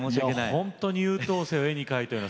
ほんとに優等生を絵に描いたような。